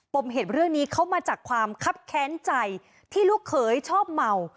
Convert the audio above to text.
มเหตุเรื่องนี้เขามาจากความคับแค้นใจที่ลูกเขยชอบเมา